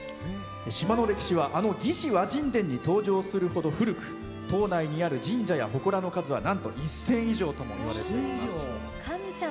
島の歴史はあの「魏志倭人伝」に登場するほど古く島内にある神社やほこらの数はなんと１０００以上ともいわれています。